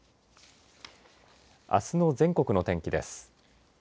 あすの全国の天気です。